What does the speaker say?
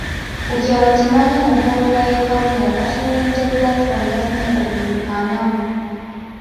Ku kyalo Kimaanya mu ggombolola y'e Kabonera National Unity Platform yafunye obululu ana mu.